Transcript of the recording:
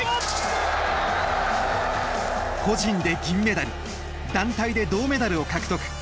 個人で銀メダル団体で銅メダルを獲得。